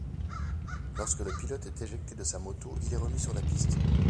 Lorsque le pilote est éjecté de sa moto, il est remis sur la piste.